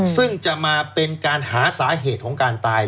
ซึ่งจะมาเป็นการหาสาเหตุของการตาย